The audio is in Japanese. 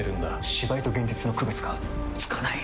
芝居と現実の区別がつかない！